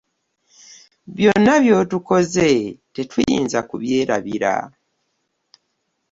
Byonna by'otukoze tetuyinza kubyerabira.